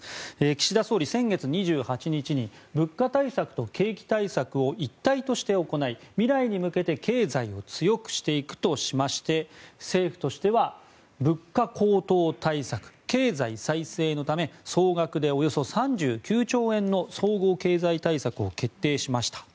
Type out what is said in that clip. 岸田総理、先月２８日に物価対策と景気対策を一体として行い未来に向けて経済を強くしていくとしまして政府としては物価高騰対策経済再生のため総額でおよそ３９兆円の総合経済対策を決定しました。